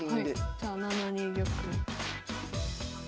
じゃあ７二玉。